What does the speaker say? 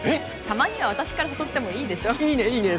たまには私から誘ってもいいでしょいいねいいね